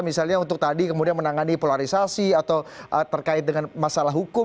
misalnya untuk tadi kemudian menangani polarisasi atau terkait dengan masalah hukum